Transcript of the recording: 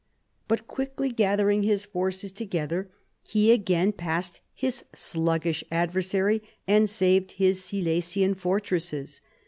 But quickly gather ing his forces together, he again passed his sluggish adversary and saved his Silesian fortresses.